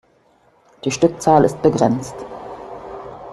Die Stückzahl ist begrenzt.